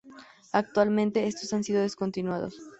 Actualmente estos han sido descontinuados.